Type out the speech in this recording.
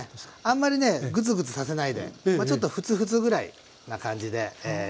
あんまりねグツグツさせないでまあちょっとフツフツぐらいな感じで煮て下さい。